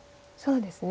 そうですね。